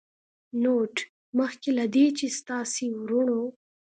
نوټ: مخکې له دې چې ستاسې وروڼو